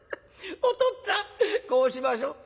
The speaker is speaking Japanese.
お父っつぁんこうしましょう。